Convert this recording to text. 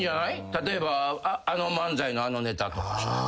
例えばあの漫才のあのネタとか。